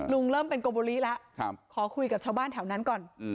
เริ่มเป็นโกโบลิแล้วขอคุยกับชาวบ้านแถวนั้นก่อน